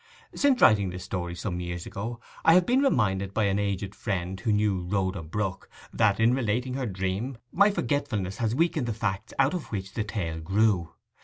Since writing this story some years ago I have been reminded by an aged friend who knew 'Rhoda Brook' that, in relating her dream, my forgetfulness has weakened the facts out of which the tale grew.